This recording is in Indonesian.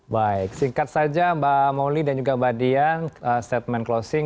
baik singkat saja mbak moli dan juga mbak dian statement closing